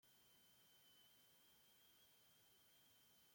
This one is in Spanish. Mercado del queso, sitio Las Bocas.